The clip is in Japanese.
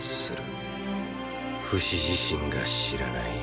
フシ自身が知らない